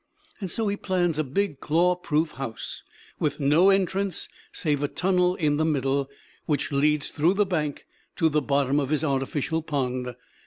So he plans a big claw proof house with no entrance save a tunnel in the middle, which leads through the bank to the bottom of his artificial pond.